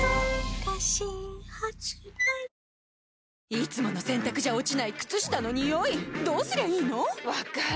いつもの洗たくじゃ落ちない靴下のニオイどうすりゃいいの⁉分かる。